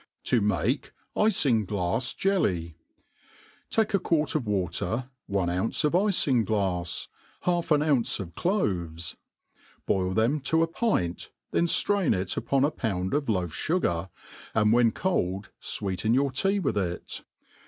7i ntah Iftnghp JtUyt TAKE a quart of water, one ovnce of riingtafsy half anr ounce of clove$ ; boil them to a pint, then drain it upon a pound of loaf fugar, and when coM fweeteti your tea "with it.